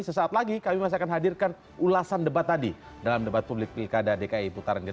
sesaat lagi kami masih akan hadirkan ulasan debat tadi dalam debat publik pilkada dki putaran ke dua